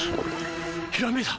ひらめいた！